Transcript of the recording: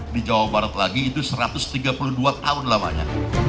di jawa barat lagi itu satu ratus tiga puluh dua tahun lamanya